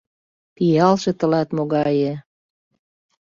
— Пиалже тылат могае...